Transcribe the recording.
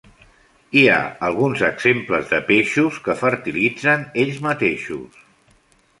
Hi ha alguns exemples de peixos que fertilitzen ells mateixos.